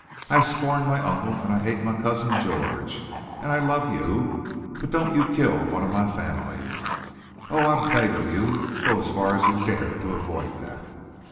I scorn my uncle and I hate my cousin George. And I love you. But don't you kill one of my family, I Oh, I beg of you go as far as you dare to avoid that!"